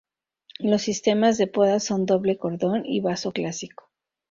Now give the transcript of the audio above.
Los sistemas de poda son doble cordón y vaso clásico.